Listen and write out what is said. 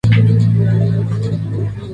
Seiji Koga